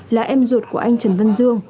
là em ruột của anh trần vân dương